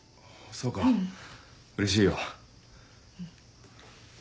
そうかうれしいよ。